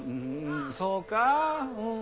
そうかぁ。